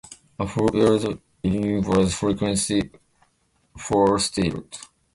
A whole year's revenue was frequently forestalled.